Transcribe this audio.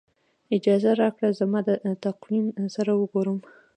اجازه راکړئ زما د تقویم سره وګورم.